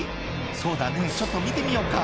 「そうだねちょっと見てみようか」